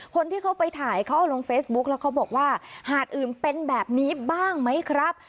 คนที่เขาไปถ่ายเขาเอาลงเฟซบุ๊กแล้วเขาบอกว่าหาดอื่นเป็นแบบนี้บ้างไหมครับ